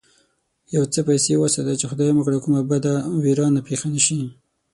يو څه پيسې وساته چې خدای مکړه کومه بده و بېرانه پېښه نه شي.